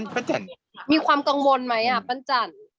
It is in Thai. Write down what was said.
คือมีความกังวลไหมปั้นจัน